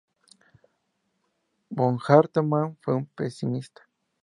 Von Hartmann fue un pesimista.